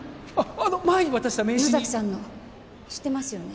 あの前に渡した名刺に野崎さんの知ってますよね？